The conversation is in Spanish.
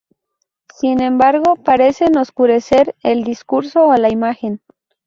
Sin embargo, parecen oscurecer el discurso o la imagen.